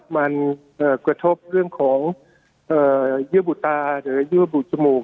มันกระทบเรื่องของเยื่อบุตาหรือเยื่อบุจมูก